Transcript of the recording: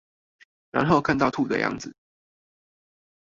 然後看到吐的樣子